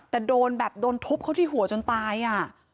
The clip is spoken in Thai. แต่โดนแบบโดนทุบเขาที่หัวจนตายอ่ะ